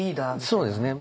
そうですね。